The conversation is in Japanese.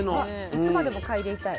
いつまでも嗅いでいたい。